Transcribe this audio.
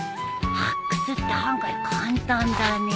発掘って案外簡単だね。